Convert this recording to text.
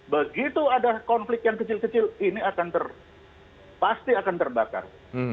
begitu ada konflik yang kecil kecil ini pasti akan terbakar